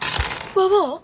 ババア？